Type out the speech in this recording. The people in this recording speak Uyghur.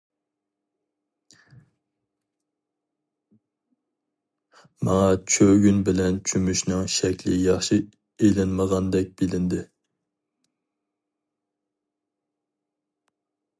ماڭا چۆگۈن بىلەن چۆمۈچنىڭ شەكلى ياخشى ئېلىنمىغاندەك بىلىندى.